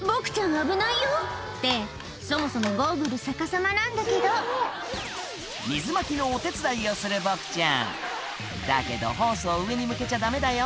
危ないよってそもそもゴーグル逆さまなんだけど水まきのお手伝いをするボクちゃんだけどホースを上に向けちゃダメだよ